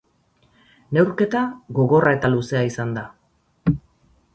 Neurketa gogorra eta luzea izan da.